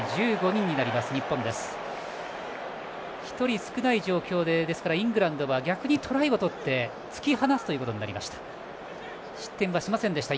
１人少ない状況でイングランドは逆にトライを取って突き放してきました。